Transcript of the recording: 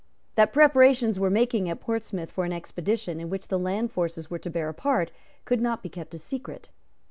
That preparations were making at Portsmouth for an expedition, in which the land forces were to bear a part, could not be kept a secret.